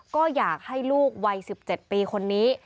ก็อยากให้ลูกวัย๑๗ปีคนนี้